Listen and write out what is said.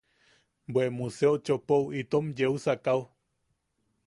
Bwe museo chopou itom yeusakao.